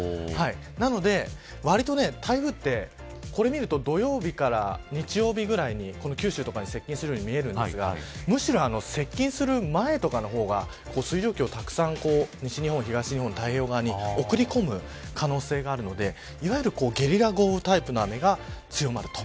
なので、わりと台風はこれを見ると土曜日から日曜日ぐらいに九州とかに接近するように見えるんですがむしろ接近する前とかの方が水蒸気を西日本、東日本太平洋側に送り込む可能性があるのでいわゆるゲリラ豪雨タイプの雨が強まると。